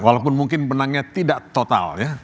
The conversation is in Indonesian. walaupun mungkin menangnya tidak total ya